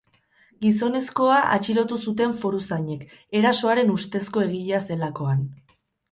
Gizonezkoa atxilotu zuten foruzainek, erasoaren ustezko egilea zelakoan.